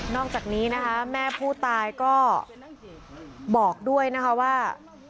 อกจากนี้นะคะแม่ผู้ตายก็บอกด้วยนะคะว่า